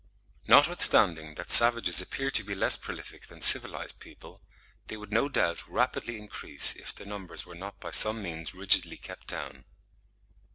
Notwithstanding that savages appear to be less prolific than civilised people, they would no doubt rapidly increase if their numbers were not by some means rigidly kept down.